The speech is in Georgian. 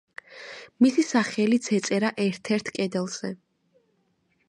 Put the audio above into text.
მისი სახელიც ეწერა ერთ-ერთ კედელზე.